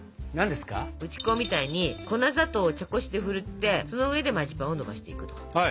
打ち粉みたいに粉砂糖を茶こしでふるってその上でマジパンをのばしていくと。